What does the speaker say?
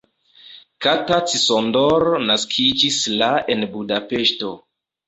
Kata Csondor naskiĝis la en Budapeŝto.